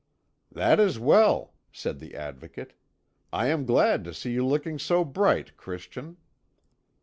"That is well," said the Advocate. "I am glad to see you looking so bright, Christian."